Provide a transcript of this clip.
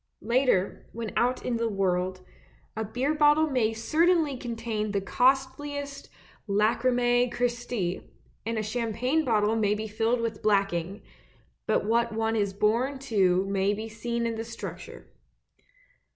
Later, when out in the world, a beer bottle may certainly contain the costliest Lacrimae Christe, and a champagne bottle may be filled with blacking; but what one is born to may be seen in the structure.